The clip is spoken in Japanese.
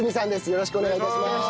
よろしくお願いします。